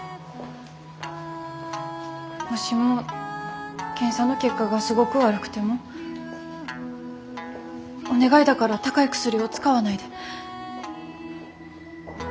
もしも検査の結果がすごく悪くてもお願いだから高い薬を使わないで。